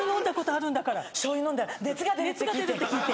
しょうゆ飲んだら熱が出るって聞いて。